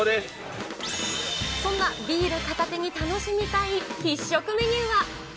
そんなビール片手に楽しみたい必食メニューは。